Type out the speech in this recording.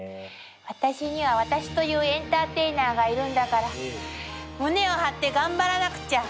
私には私というエンターテイナーがいるんだから胸を張って頑張らなくちゃ！